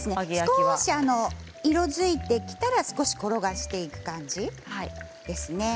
少し色づいてきたら少し転がしていく感じですね。